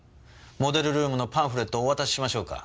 モデルルームのパンフレットをお渡ししましょうか？